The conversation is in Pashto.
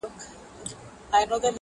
پخپل خنجر پاره پاره دي کړمه،